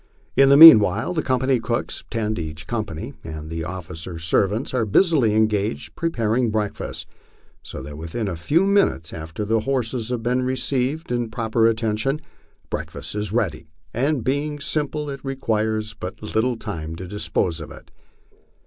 In the meanwhile the company cooks, ten to each company, and the officers' servants, are busily engaged preparing breakfast, so that within a few minutes after tne horses have received proper attention breakfast is ready, and being v ery sim ple it requires but little time to dispose of it.